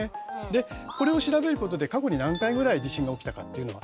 でこれを調べることで過去に何回ぐらい地震が起きたかっていうのは。